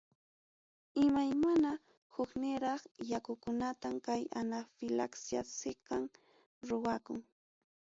Imaymana, hukniraq yakukunatam kay anafilaxia siqam ruwakun.